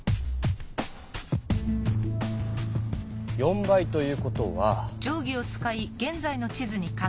４倍という事は。